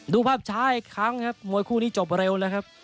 ดูภาพช้าอีกครั้งครับมวยคู่นี้จบเร็วแล้วครับ